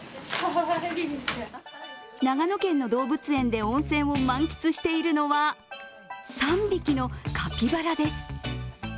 長野県の動物園で温泉を満喫しているのは、３匹のカピバラです。